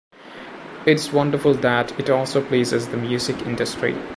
It's wonderful that it also pleases the music industry.